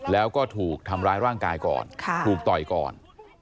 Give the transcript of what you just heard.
แล้วก็ถูกทำร้ายร่างกายก่อนถูกต่อยก่อน